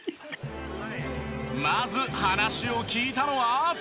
まず話を聞いたのは。